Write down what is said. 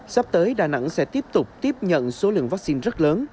sắp tới đà nẵng sẽ tiếp tục tiếp nhận số lượng vaccine rất lớn